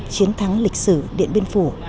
chiến thắng lịch sử điện biên phủ